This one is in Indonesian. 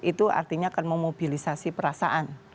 itu artinya akan memobilisasi perasaan